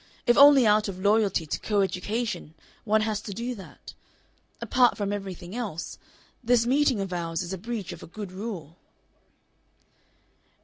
If only out of loyalty to co education one has to do that. Apart from everything else, this meeting of ours is a breach of a good rule."